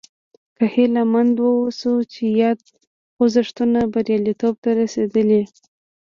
کله هیله مند واوسو چې یاد خوځښتونه بریالیتوب ته رسېدلي.